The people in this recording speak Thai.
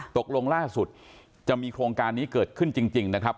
ตกลงล่าสุดจะมีโครงการนี้เกิดขึ้นจริงนะครับ